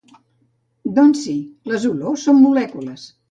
Doncs sí, les olors són molècules.